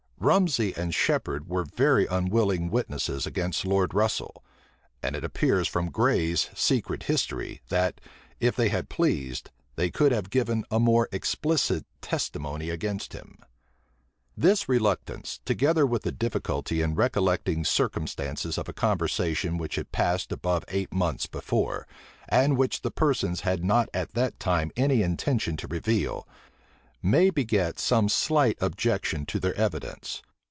Rumsey and Shephard were very unwilling witnesses against Lord Russel; and it appears from Grey's Secret History,[*] that, if they had pleased, they could have given a more explicit testimony against him. * Page 43. This reluctance, together with the difficulty in recollecting circumstances of a conversation which had passed above eight months before, and which the persons had not at that time any intention to reveal, may beget some slight objection to their evidence.